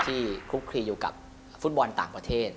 คลุกคลีอยู่กับฟุตบอลต่างประเทศ